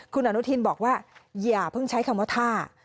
คุณอนุทินบอกว่าอย่าเพิ่งใช้คำว่าท่า